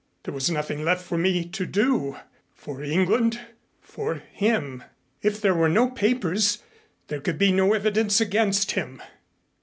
There was nothing left for me to do for England for him. If there were no papers there could be no evidence against him."